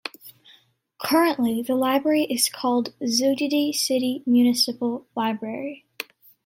Currently, the library is called Zugdidi City Municipal Library.